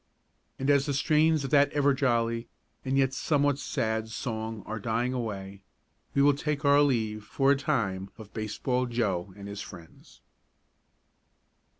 And as the strains of that ever jolly, and yet somewhat sad, song are dying away, we will take our leave for a time of Baseball Joe and his friends.